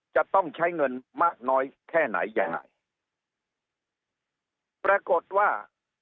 จะต้องใช้เงินมากน้อยแค่ไหนยังไงปรากฏว่า